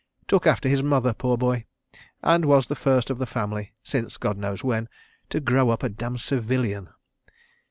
Took after his mother, poor boy, and was the first of the family, since God knows when, to grow up a dam' civilian.